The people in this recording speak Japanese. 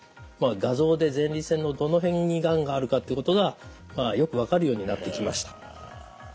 画像で前立腺のどの辺にがんがあるかっていうことがよく分かるようになってきました。